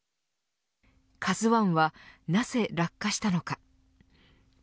ＫＡＺＵ１はなぜ落下したのか。